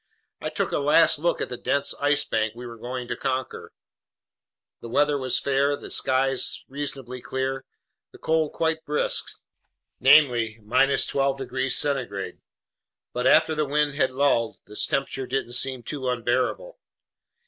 I took a last look at the dense Ice Bank we were going to conquer. The weather was fair, the skies reasonably clear, the cold quite brisk, namely 12 degrees centigrade; but after the wind had lulled, this temperature didn't seem too unbearable.